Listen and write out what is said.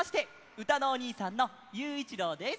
うたのおにいさんのゆういちろうです。